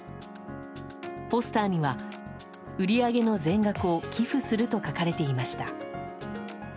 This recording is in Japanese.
ポスターには、売り上げの全額を寄付すると書かれていました。